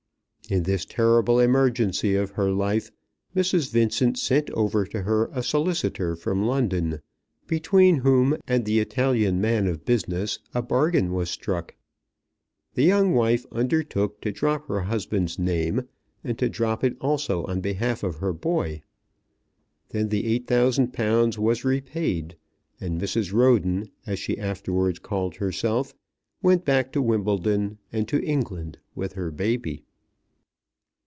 In this terrible emergency of her life, Mrs. Vincent sent over to her a solicitor from London, between whom and the Italian man of business a bargain was struck. The young wife undertook to drop her husband's name, and to drop it also on behalf of her boy. Then the eight thousand pounds was repaid, and Mrs. Roden, as she afterwards called herself, went back to Wimbledon and to England with her baby.